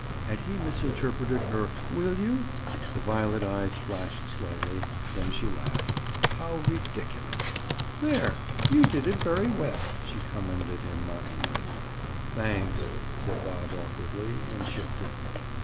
Had he misinterpreted her "Will you?" The violet eyes flashed slightly, then she laughed. How ridiculous! "There! You did it very well," she commended him mockingly. "Thanks," said Bob awkwardly, and shifted.